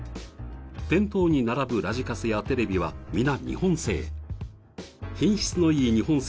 店頭に並ぶラジカセやテレビは皆、日本製。